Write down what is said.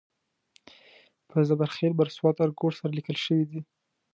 په زبر خېل بر سوات ارکوټ سره لیکل شوی دی.